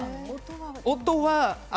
音は？